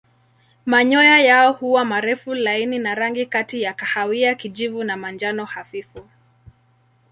Manyoya yao huwa marefu laini na rangi kati ya kahawia kijivu na manjano hafifu.